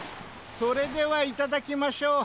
それではいただきましょう。